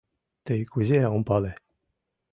тый кузе, ом пале